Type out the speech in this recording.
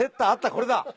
これだ。